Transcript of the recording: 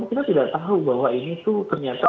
kita tidak tahu bahwa ini tuh ternyata